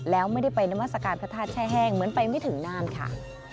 แล้วไม่ได้ไปนามัศกาลพระธาตุแช่แห้งเหมือนไปไม่ถึงน่านค่ะ